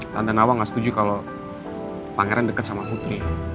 tante nawang gak setuju kalau pangeran deket sama putri